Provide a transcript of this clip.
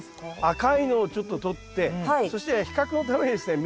赤いのをちょっととってそして比較のためにですね